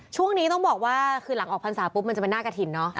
ช่วงนี้ต้องบอกว่าคือหลังออกพรรษาปุ๊บมันจะเป็นหน้ากระถิ่นเนาะ